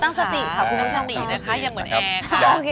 ตั้งสตินะคะอย่าเหมือนแอ